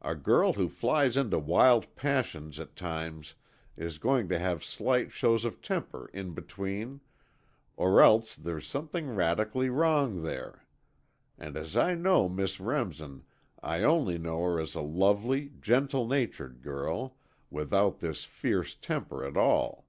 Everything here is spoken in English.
A girl who flies into wild passions at times is going to have slight shows of temper in between or else there's something radically wrong there. And as I know Miss Remsen, I only know her as a lovely, gentle natured girl, without this fierce temper at all.